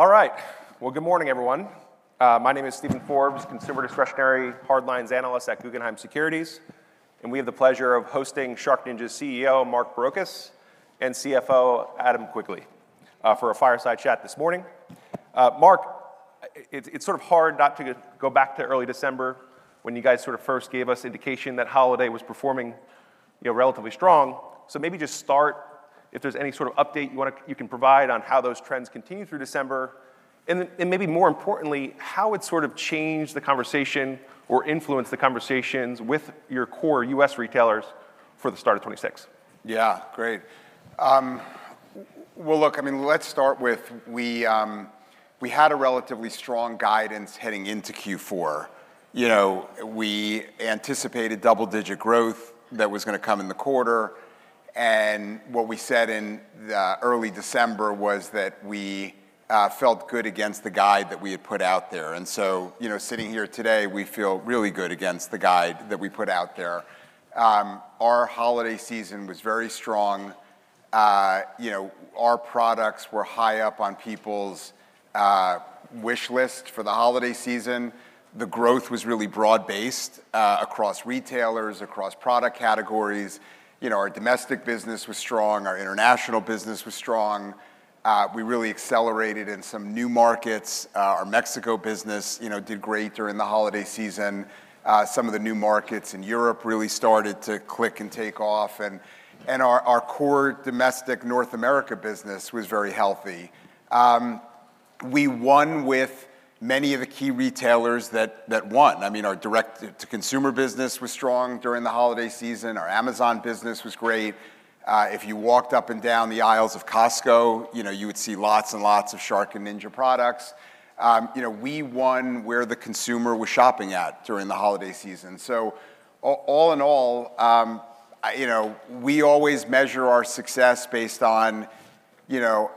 All right. Well, good morning, everyone. My name is Steven Forbes, Consumer Discretionary Hardlines Analyst at Guggenheim Securities, and we have the pleasure of hosting SharkNinja's CEO, Mark Barrocas, and CFO, Adam Quigley, for a fireside chat this morning. Mark, it's sort of hard not to go back to early December when you guys sort of first gave us indication that holiday was performing relatively strong. So maybe just start, if there's any sort of update you can provide on how those trends continue through December, and maybe more importantly, how it sort of changed the conversation or influenced the conversations with your core U.S. retailers for the start of 2026? Yeah, great. Well, look, I mean, let's start with, we had a relatively strong guidance heading into Q4. We anticipated double-digit growth that was going to come in the quarter, and what we said in early December was that we felt good against the guide that we had put out there, and so sitting here today, we feel really good against the guide that we put out there. Our holiday season was very strong. Our products were high up on people's wish list for the holiday season. The growth was really broad-based across retailers, across product categories. Our domestic business was strong. Our international business was strong. We really accelerated in some new markets. Our Mexico business did great during the holiday season. Some of the new markets in Europe really started to click and take off, and our core domestic North America business was very healthy. We won with many of the key retailers that won. I mean, our direct-to-consumer business was strong during the holiday season. Our Amazon business was great. If you walked up and down the aisles of Costco, you would see lots and lots of SharkNinja products. We won where the consumer was shopping at during the holiday season. So all in all, we always measure our success based on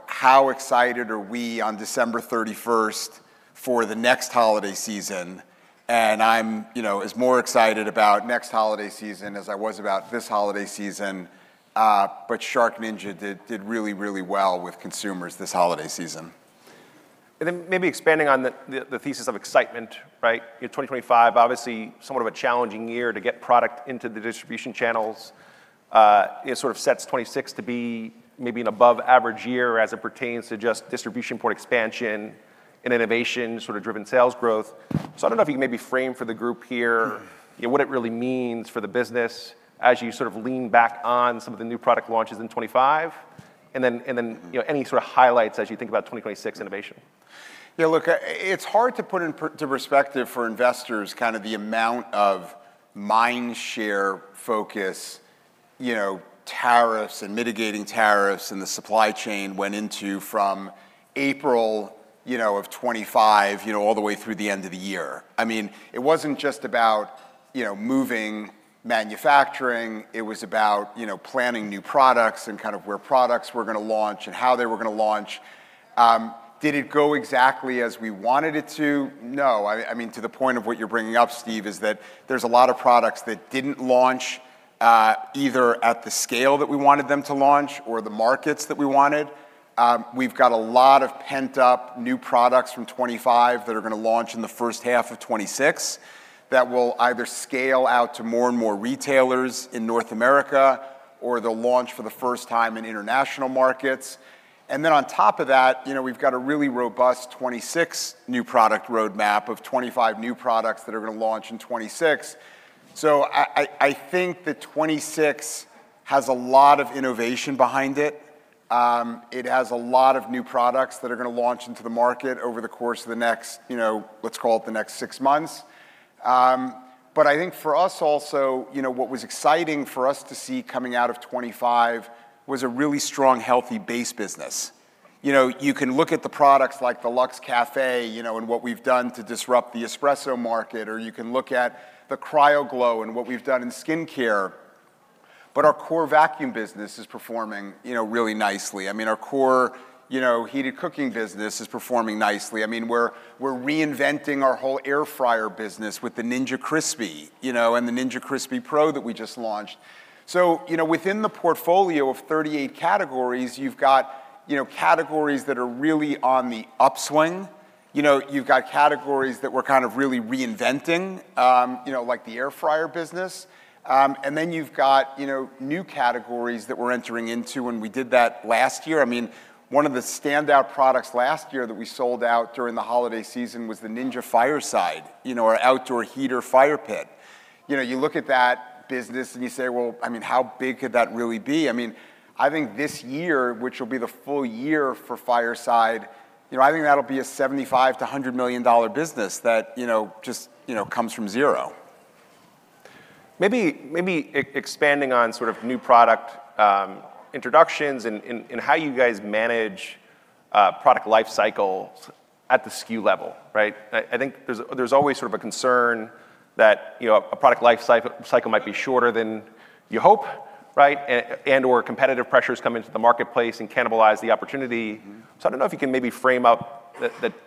how excited are we on December 31st for the next holiday season. And I'm as more excited about next holiday season as I was about this holiday season, but SharkNinja did really, really well with consumers this holiday season. And then maybe expanding on the thesis of excitement, right? 2025, obviously, somewhat of a challenging year to get product into the distribution channels. It sort of sets 2026 to be maybe an above-average year as it pertains to just distribution port expansion and innovation sort of driven sales growth. So I don't know if you can maybe frame for the group here what it really means for the business as you sort of lean back on some of the new product launches in 2025, and then any sort of highlights as you think about 2026 innovation. Yeah, look, it's hard to put into perspective for investors kind of the amount of mind share, focus, tariffs and mitigating tariffs and the supply chain went into from April of 2025 all the way through the end of the year. I mean, it wasn't just about moving manufacturing. It was about planning new products and kind of where products were going to launch and how they were going to launch. Did it go exactly as we wanted it to? No. I mean, to the point of what you're bringing up, Steve, is that there's a lot of products that didn't launch either at the scale that we wanted them to launch or the markets that we wanted. We've got a lot of pent-up new products from 2025 that are going to launch in the first half of 2026 that will either scale out to more and more retailers in North America or they'll launch for the first time in international markets. And then on top of that, we've got a really robust 2026 new product roadmap of 25 new products that are going to launch in 2026. So I think that 2026 has a lot of innovation behind it. It has a lot of new products that are going to launch into the market over the course of the next, let's call it the next six months. But I think for us also, what was exciting for us to see coming out of 2025 was a really strong, healthy base business. You can look at the products like the Luxe Café and what we've done to disrupt the espresso market, or you can look at the CryoGlow and what we've done in skincare. But our core vacuum business is performing really nicely. I mean, our core heated cooking business is performing nicely. I mean, we're reinventing our whole air fryer business with the Ninja Crispi and the Ninja Crispi Pro that we just launched. So within the portfolio of 38 categories, you've got categories that are really on the upswing. You've got categories that we're kind of really reinventing, like the air fryer business. And then you've got new categories that we're entering into. And we did that last year. I mean, one of the standout products last year that we sold out during the holiday season was the Ninja Fireside, our outdoor heater fire pit. You look at that business and you say, well, I mean, how big could that really be? I mean, I think this year, which will be the full year for Fireside, I think that'll be a $75 million-$100 million business that just comes from zero. Maybe expanding on sort of new product introductions and how you guys manage product life cycles at the SKU level, right? I think there's always sort of a concern that a product life cycle might be shorter than you hope, right? And/or competitive pressures come into the marketplace and cannibalize the opportunity. So I don't know if you can maybe frame up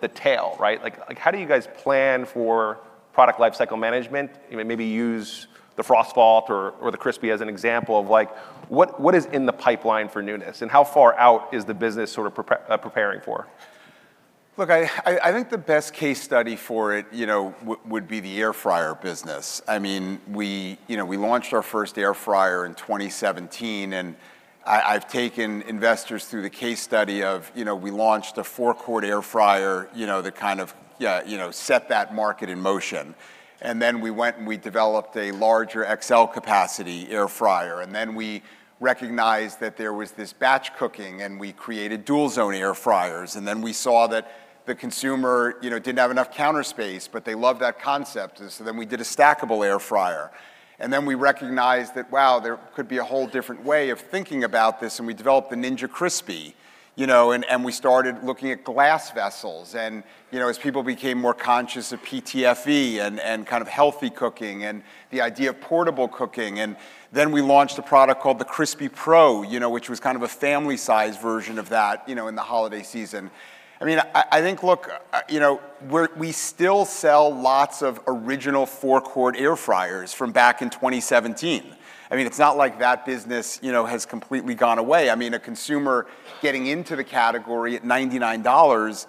the tail, right? How do you guys plan for product life cycle management? Maybe use the FrostVault or the Crispi as an example of what is in the pipeline for newness and how far out is the business sort of preparing for? Look, I think the best case study for it would be the air fryer business. I mean, we launched our first air fryer in 2017, and I've taken investors through the case study of we launched a four-quart air fryer that kind of set that market in motion. We went and we developed a larger XL capacity air fryer. We recognized that there was this batch cooking, and we created dual-zone air fryers. We saw that the consumer didn't have enough counter space, but they loved that concept. We did a stackable air fryer. We recognized that, wow, there could be a whole different way of thinking about this. We developed the Ninja Crispi, and we started looking at glass vessels. And as people became more conscious of PTFE and kind of healthy cooking and the idea of portable cooking, and then we launched a product called the Crispi Pro, which was kind of a family-sized version of that in the holiday season. I mean, I think, look, we still sell lots of original four-quart air fryers from back in 2017. I mean, it's not like that business has completely gone away. I mean, a consumer getting into the category at $99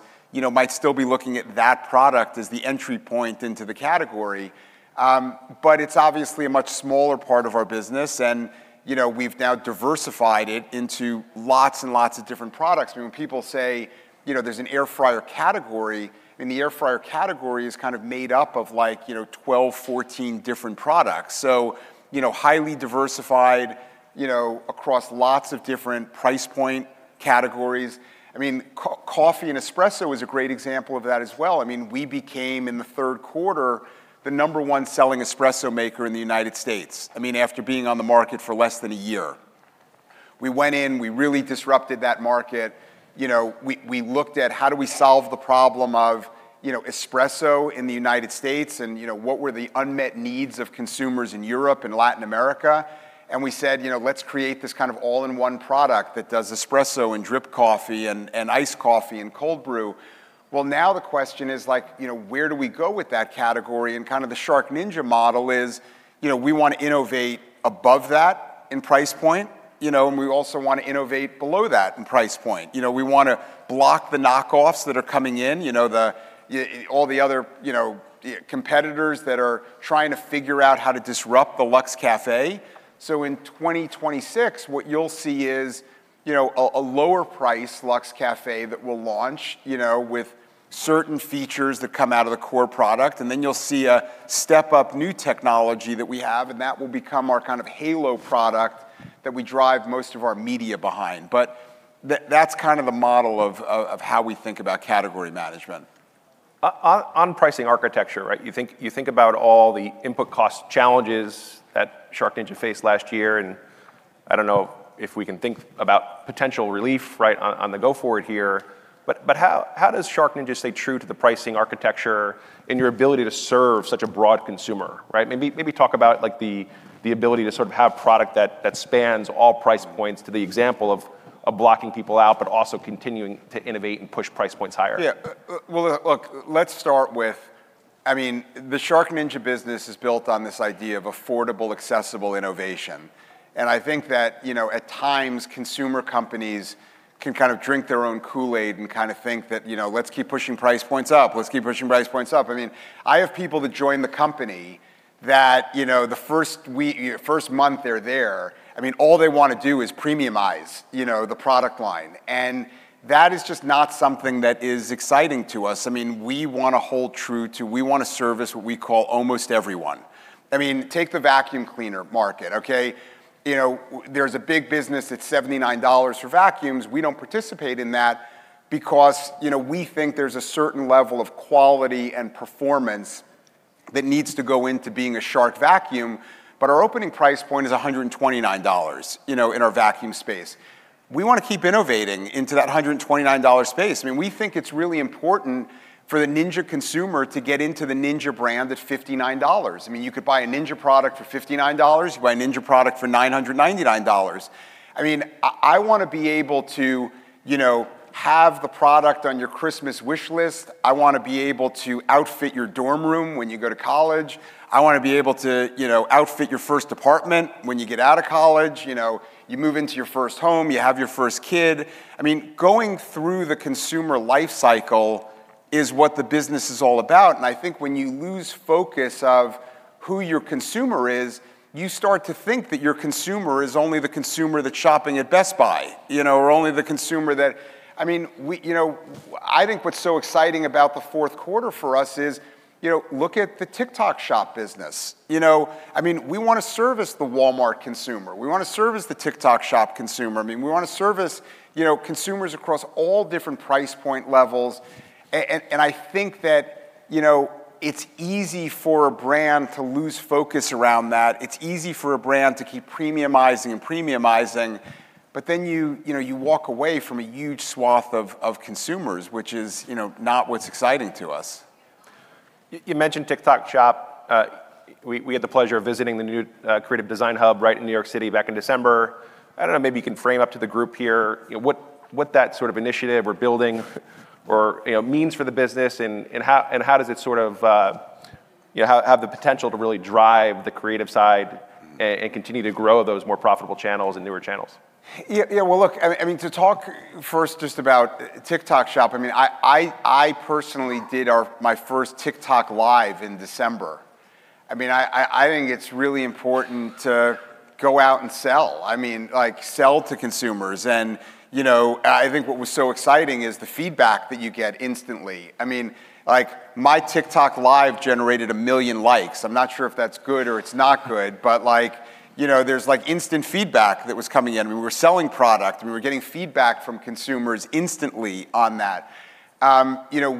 might still be looking at that product as the entry point into the category. But it's obviously a much smaller part of our business, and we've now diversified it into lots and lots of different products. When people say there's an air fryer category, I mean, the air fryer category is kind of made up of 12-14 different products. Highly diversified across lots of different price point categories. I mean, coffee and espresso is a great example of that as well. I mean, we became in the third quarter the number one selling espresso maker in the United States, I mean, after being on the market for less than a year. We went in, we really disrupted that market. We looked at how do we solve the problem of espresso in the United States and what were the unmet needs of consumers in Europe and Latin America. We said, let's create this kind of all-in-one product that does espresso and drip coffee and iced coffee and cold brew. Now the question is, where do we go with that category? Kind of the SharkNinja model is we want to innovate above that in price point, and we also want to innovate below that in price point. We want to block the knockoffs that are coming in, all the other competitors that are trying to figure out how to disrupt the Luxe Café, so in 2026, what you'll see is a lower-priced Luxe Café that will launch with certain features that come out of the core product, and then you'll see a step-up new technology that we have, and that will become our kind of halo product that we drive most of our media behind, but that's kind of the model of how we think about category management. On pricing architecture, right? You think about all the input cost challenges that SharkNinja faced last year, and I don't know if we can think about potential relief on the going forward here. But how does SharkNinja stay true to the pricing architecture and your ability to serve such a broad consumer, right? Maybe talk about the ability to sort of have product that spans all price points without blocking people out, but also continuing to innovate and push price points higher. Yeah. Well, look, let's start with, I mean, the SharkNinja business is built on this idea of affordable, accessible innovation. I think that at times consumer companies can kind of drink their own Kool-Aid and kind of think that let's keep pushing price points up, let's keep pushing price points up. I mean, I have people that join the company that the first month they're there, I mean, all they want to do is premiumize the product line. And that is just not something that is exciting to us. I mean, we want to hold true to, we want to service what we call almost everyone. I mean, take the vacuum cleaner market, okay? There's a big business that's $79 for vacuums. We don't participate in that because we think there's a certain level of quality and performance that needs to go into being a Shark vacuum. Our opening price point is $129 in our vacuum space. We want to keep innovating into that $129 space. I mean, we think it's really important for the Ninja consumer to get into the Ninja brand at $59. I mean, you could buy a Ninja product for $59, you buy a Ninja product for $999. I mean, I want to be able to have the product on your Christmas wish list. I want to be able to outfit your dorm room when you go to college. I want to be able to outfit your first apartment when you get out of college. You move into your first home, you have your first kid. I mean, going through the consumer life cycle is what the business is all about. I think when you lose focus of who your consumer is, you start to think that your consumer is only the consumer that's shopping at Best Buy or only the consumer that. I mean, I think what's so exciting about the fourth quarter for us is look at the TikTok Shop business. I mean, we want to service the Walmart consumer. We want to service the TikTok Shop consumer. I mean, we want to service consumers across all different price point levels. And I think that it's easy for a brand to lose focus around that. It's easy for a brand to keep premiumizing and premiumizing, but then you walk away from a huge swath of consumers, which is not what's exciting to us. You mentioned TikTok Shop. We had the pleasure of visiting the new creative design hub right in New York City back in December. I don't know, maybe you can frame up to the group here what that sort of initiative or building means for the business and how does it sort of have the potential to really drive the creative side and continue to grow those more profitable channels and newer channels? Yeah, well, look, I mean, to talk first just about TikTok Shop, I mean, I personally did my first TikTok Live in December. I mean, I think it's really important to go out and sell, I mean, sell to consumers, and I think what was so exciting is the feedback that you get instantly. I mean, my TikTok Live generated a million likes. I'm not sure if that's good or it's not good, but there's instant feedback that was coming in. We were selling product. We were getting feedback from consumers instantly on that.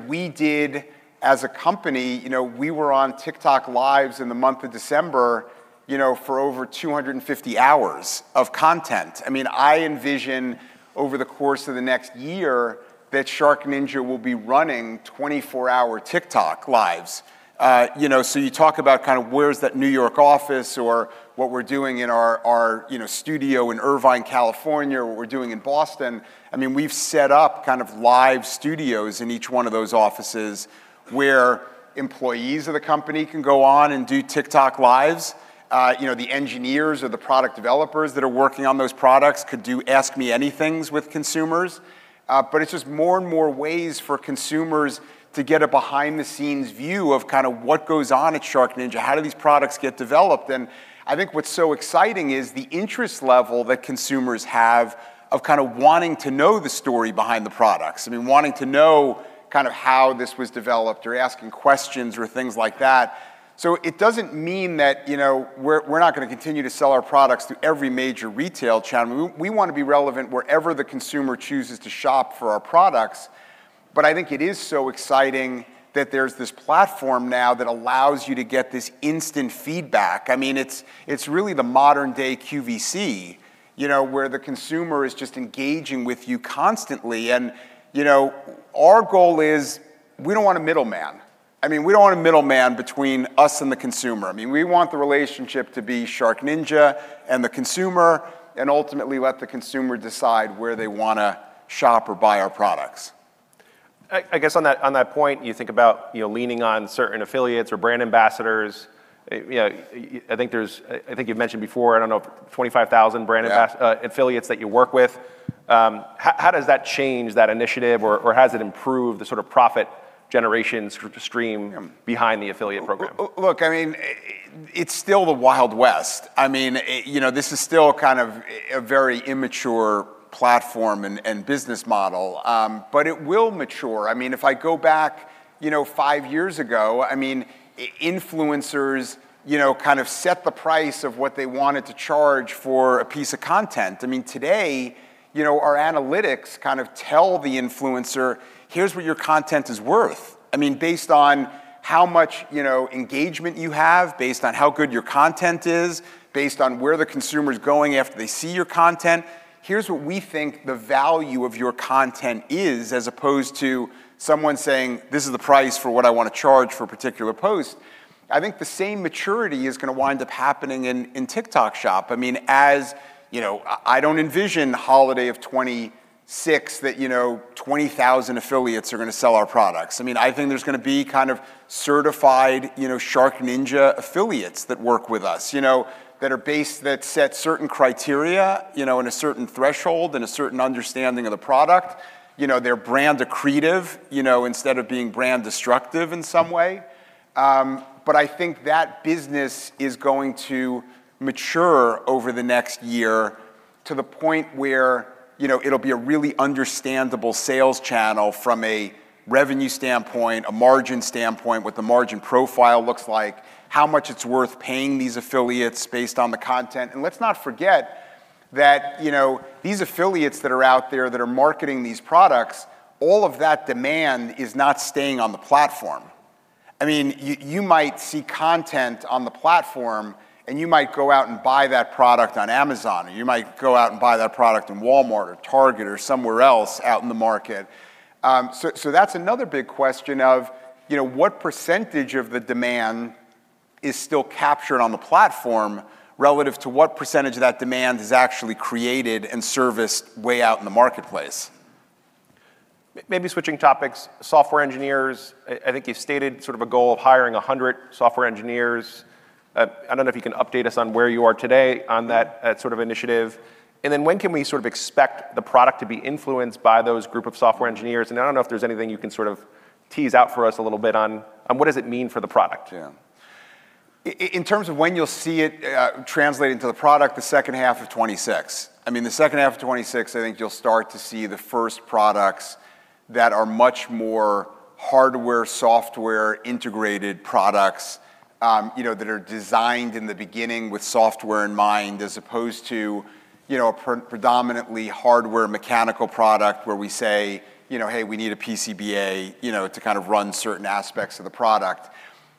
We did, as a company, we were on TikTok Lives in the month of December for over 250 hours of content. I mean, I envision over the course of the next year that SharkNinja will be running 24-hour TikTok Lives. So you talk about kind of where's that New York office or what we're doing in our studio in Irvine, California, what we're doing in Boston. I mean, we've set up kind of live studios in each one of those offices where employees of the company can go on and do TikTok lives. The engineers or the product developers that are working on those products could do ask-me-anythings with consumers. But it's just more and more ways for consumers to get a behind-the-scenes view of kind of what goes on at SharkNinja, how do these products get developed. And I think what's so exciting is the interest level that consumers have of kind of wanting to know the story behind the products. I mean, wanting to know kind of how this was developed or asking questions or things like that. So it doesn't mean that we're not going to continue to sell our products through every major retail channel. We want to be relevant wherever the consumer chooses to shop for our products. But I think it is so exciting that there's this platform now that allows you to get this instant feedback. I mean, it's really the modern-day QVC where the consumer is just engaging with you constantly. And our goal is we don't want a middleman. I mean, we don't want a middleman between us and the consumer. I mean, we want the relationship to be SharkNinja and the consumer and ultimately let the consumer decide where they want to shop or buy our products. I guess on that point, you think about leaning on certain affiliates or brand ambassadors. I think you've mentioned before, I don't know, 25,000 brand affiliates that you work with. How does that change that initiative or has it improved the sort of profit generation stream behind the affiliate program? Look, I mean, it's still the Wild West. I mean, this is still kind of a very immature platform and business model, but it will mature. I mean, if I go back five years ago, I mean, influencers kind of set the price of what they wanted to charge for a piece of content. I mean, today, our analytics kind of tell the influencer, here's what your content is worth. I mean, based on how much engagement you have, based on how good your content is, based on where the consumer's going after they see your content, here's what we think the value of your content is as opposed to someone saying, this is the price for what I want to charge for a particular post. I think the same maturity is going to wind up happening in TikTok Shop. I mean, I don't envision the holiday of 2026 that 20,000 affiliates are going to sell our products. I mean, I think there's going to be kind of certified SharkNinja affiliates that work with us that are based, that set certain criteria and a certain threshold and a certain understanding of the product. They're brand accretive instead of being brand destructive in some way. But I think that business is going to mature over the next year to the point where it'll be a really understandable sales channel from a revenue standpoint, a margin standpoint, what the margin profile looks like, how much it's worth paying these affiliates based on the content. And let's not forget that these affiliates that are out there that are marketing these products, all of that demand is not staying on the platform. I mean, you might see content on the platform and you might go out and buy that product on Amazon, or you might go out and buy that product in Walmart or Target or somewhere else out in the market. So that's another big question of what percentage of the demand is still captured on the platform relative to what percentage of that demand is actually created and serviced way out in the marketplace. Maybe switching topics, software engineers, I think you've stated sort of a goal of hiring 100 software engineers. I don't know if you can update us on where you are today on that sort of initiative, and then when can we sort of expect the product to be influenced by those group of software engineers? And I don't know if there's anything you can sort of tease out for us a little bit on what does it mean for the product. Yeah. In terms of when you'll see it translate into the product, the second half of 2026. I mean, the second half of 2026, I think you'll start to see the first products that are much more hardware, software integrated products that are designed in the beginning with software in mind as opposed to a predominantly hardware mechanical product where we say, hey, we need a PCBA to kind of run certain aspects of the product.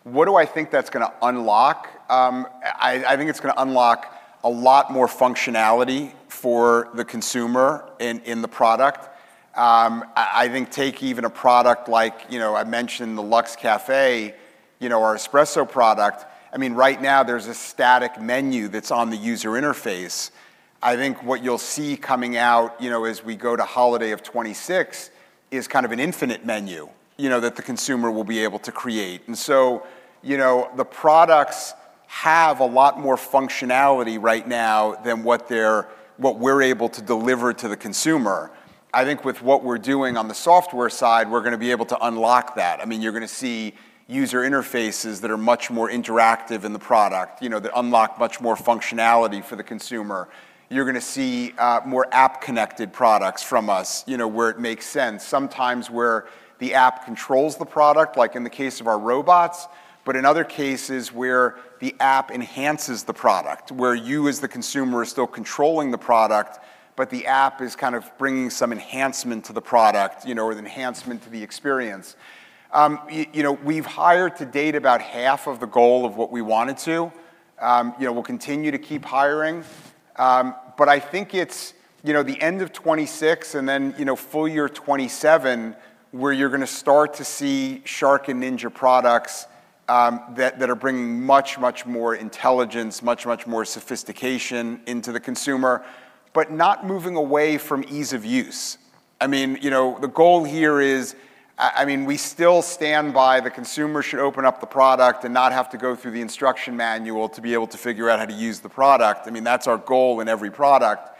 What do I think that's going to unlock? I think it's going to unlock a lot more functionality for the consumer in the product. I think take even a product like I mentioned the Luxe Café, our espresso product. I mean, right now there's a static menu that's on the user interface. I think what you'll see coming out as we go to holiday of 2026 is kind of an infinite menu that the consumer will be able to create, and so the products have a lot more functionality right now than what we're able to deliver to the consumer. I think with what we're doing on the software side, we're going to be able to unlock that. I mean, you're going to see user interfaces that are much more interactive in the product that unlock much more functionality for the consumer. You're going to see more app-connected products from us where it makes sense. Sometimes where the app controls the product, like in the case of our robots, but in other cases where the app enhances the product, where you as the consumer are still controlling the product, but the app is kind of bringing some enhancement to the product or enhancement to the experience. We've hired to date about half of the goal of what we wanted to. We'll continue to keep hiring. But I think it's the end of 2026 and then full year 2027 where you're going to start to see Shark and Ninja products that are bringing much, much more intelligence, much, much more sophistication into the consumer, but not moving away from ease of use. I mean, the goal here is, I mean, we still stand by the consumer should open up the product and not have to go through the instruction manual to be able to figure out how to use the product. I mean, that's our goal in every product.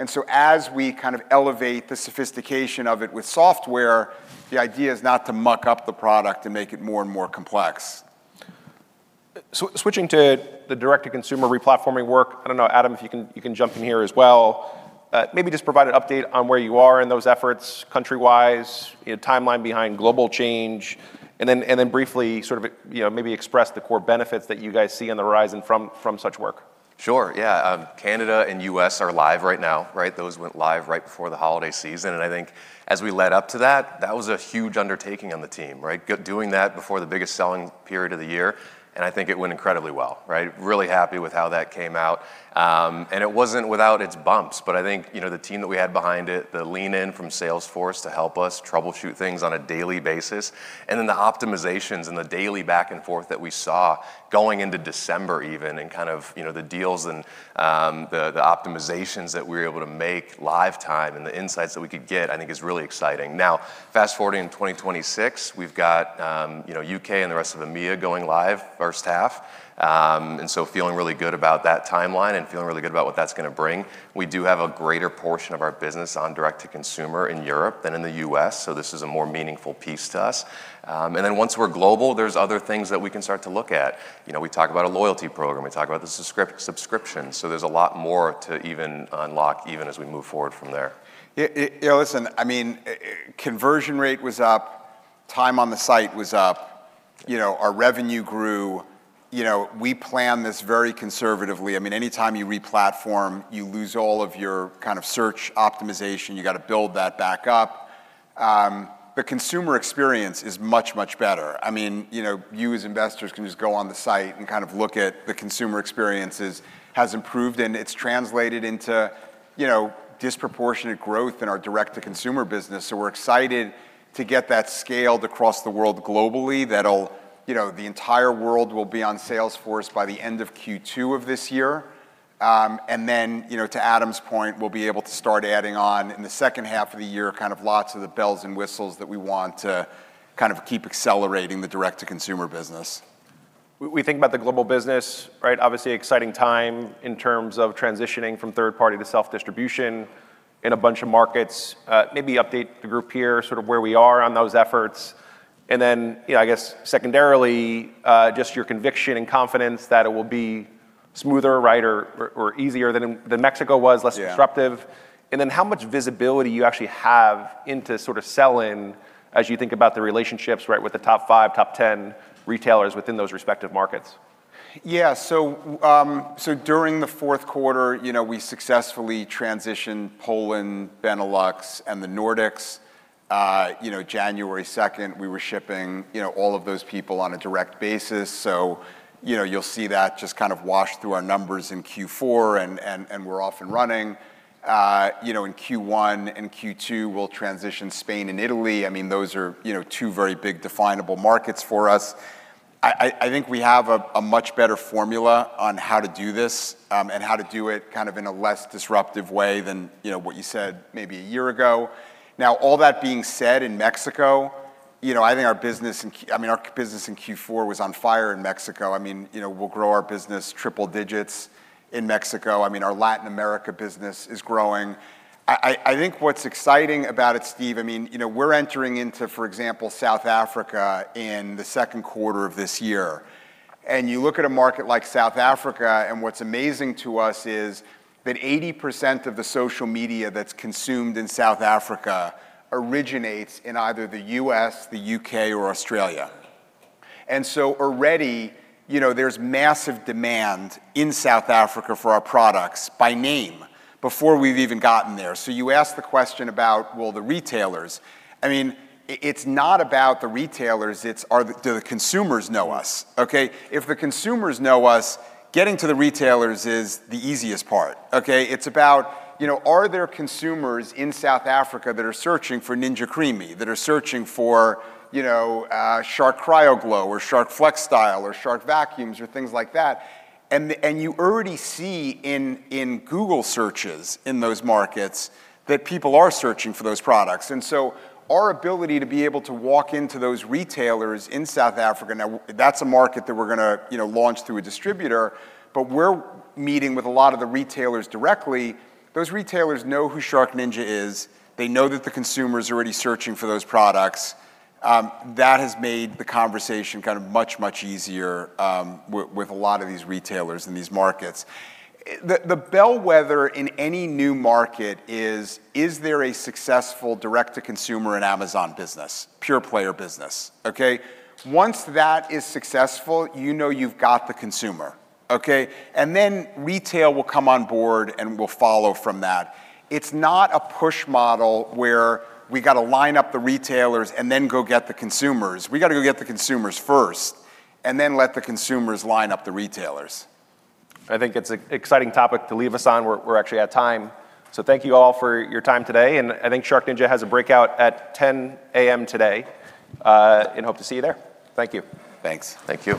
And so as we kind of elevate the sophistication of it with software, the idea is not to muck up the product and make it more and more complex. Switching to the direct-to-consumer replatforming work, I don't know, Adam, if you can jump in here as well, maybe just provide an update on where you are in those efforts countrywise, timeline behind global change, and then briefly sort of maybe express the core benefits that you guys see on the horizon from such work. Sure, yeah. Canada and US are live right now, right? Those went live right before the holiday season. And I think as we led up to that, that was a huge undertaking on the team, right? Doing that before the biggest selling period of the year. And I think it went incredibly well, right? Really happy with how that came out. And it wasn't without its bumps, but I think the team that we had behind it, the lean-in from Salesforce to help us troubleshoot things on a daily basis, and then the optimizations and the daily back and forth that we saw going into December even and kind of the deals and the optimizations that we were able to make live time and the insights that we could get, I think is really exciting. Now, fast forwarding in 2026, we've got U.K. and the rest of EMEA going live first half, and so feeling really good about that timeline and feeling really good about what that's going to bring. We do have a greater portion of our business on direct-to-consumer in Europe than in the U.S., so this is a more meaningful piece to us, and then once we're global, there's other things that we can start to look at. We talk about a loyalty program. We talk about the subscription, so there's a lot more to even unlock even as we move forward from there. Yeah, listen, I mean, conversion rate was up, time on the site was up. Our revenue grew. We plan this very conservatively. I mean, anytime you replatform, you lose all of your kind of search optimization. You got to build that back up. The consumer experience is much, much better. I mean, you as investors can just go on the site and kind of look at the consumer experiences has improved, and it's translated into disproportionate growth in our direct-to-consumer business. So we're excited to get that scaled across the world globally that the entire world will be on Salesforce by the end of Q2 of this year. And then to Adam's point, we'll be able to start adding on in the second half of the year kind of lots of the bells and whistles that we want to kind of keep accelerating the direct-to-consumer business. We think about the global business, right? Obviously, exciting time in terms of transitioning from third-party to self-distribution in a bunch of markets. Maybe update the group here sort of where we are on those efforts. And then I guess secondarily, just your conviction and confidence that it will be smoother, right, or easier than Mexico was, less disruptive. And then how much visibility you actually have into sort of selling as you think about the relationships, right, with the top five, top 10 retailers within those respective markets? Yeah, so during the fourth quarter, we successfully transitioned Poland, Benelux, and the Nordics. January 2nd, we were shipping all of those people on a direct basis. So you'll see that just kind of washed through our numbers in Q4, and we're off and running. In Q1 and Q2, we'll transition Spain and Italy. I mean, those are two very big definable markets for us. I think we have a much better formula on how to do this and how to do it kind of in a less disruptive way than what you said maybe a year ago. Now, all that being said in Mexico, I think our business in, I mean, our business in Q4 was on fire in Mexico. I mean, we'll grow our business triple digits in Mexico. I mean, our Latin America business is growing. I think what's exciting about it, Steve, I mean, we're entering into, for example, South Africa in the second quarter of this year. And you look at a market like South Africa, and what's amazing to us is that 80% of the social media that's consumed in South Africa originates in either the U.S., the U.K., or Australia. And so already, there's massive demand in South Africa for our products by name before we've even gotten there. So you asked the question about, well, the retailers. I mean, it's not about the retailers. It's, do the consumers know us? Okay. If the consumers know us, getting to the retailers is the easiest part. Okay. It's about, are there consumers in South Africa that are searching for Ninja CREAMi, that are searching for Shark CryoGlow or Shark FlexStyle or Shark vacuums or things like that? You already see in Google searches in those markets that people are searching for those products. Our ability to be able to walk into those retailers in South Africa, now that's a market that we're going to launch through a distributor, but we're meeting with a lot of the retailers directly. Those retailers know who SharkNinja is. They know that the consumer is already searching for those products. That has made the conversation kind of much, much easier with a lot of these retailers in these markets. The bellwether in any new market is there a successful direct-to-consumer in Amazon business, pure player business? Okay. Once that is successful, you know you've got the consumer. Okay. Retail will come on board and will follow from that. It's not a push model where we got to line up the retailers and then go get the consumers. We got to go get the consumers first and then let the consumers line up the retailers. I think it's an exciting topic to leave us on. We're actually at time. So thank you all for your time today. And I think SharkNinja has a breakout at 10:00 A.M. today. And hope to see you there. Thank you. Thanks. Thank you.